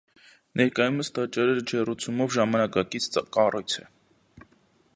Ներկայումս տաճարը ջեռուցումով ժամանակակից կառույց է։